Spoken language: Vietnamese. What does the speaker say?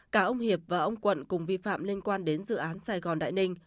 cả ông hiệp và ông quận cùng vi phạm liên quan đến dự án sài gòn đại ninh